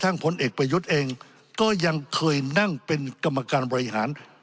ผลเอกประยุทธ์เองก็ยังเคยนั่งเป็นกรรมการบริหาร